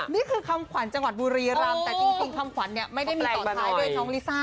นี่คือคำขวัญจังหวัดบุรีรำแต่จริงคำขวัญเนี่ยไม่ได้มีต่อท้ายด้วยน้องลิซ่า